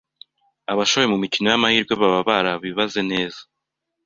abashoye mu mikino y’amahirwe baba barabibaze neza,